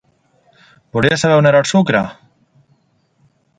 Volia saber on era el sucre?